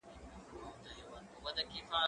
زه مخکي واښه راوړلي وو؟!